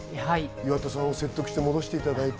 岩田さんを説得して戻していただいて。